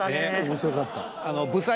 面白かった。